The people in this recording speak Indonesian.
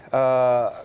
dalam debat kemarin